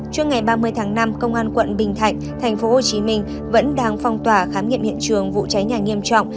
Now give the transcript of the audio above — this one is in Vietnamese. trước ngày ba mươi tháng năm công an quận bình thạnh tp hcm vẫn đang phong tỏa khám nghiệm hiện trường vụ cháy nhà nghiêm trọng